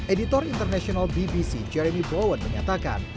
editor international bbc jeremy bowen menyatakan